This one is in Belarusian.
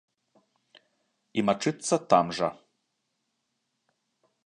І мачыцца там жа.